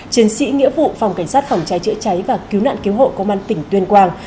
chiến sĩ nghĩa vụ phòng cảnh sát phòng cháy chữa cháy và cứu nạn cứu hộ công an tỉnh tuyên quang